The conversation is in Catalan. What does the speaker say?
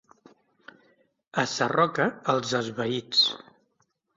A Sarroca, els esvaïts.